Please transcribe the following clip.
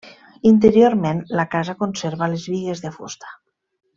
Interiorment la casa conserva les bigues de fusta.